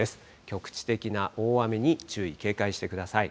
局地的な大雨に注意、警戒してください。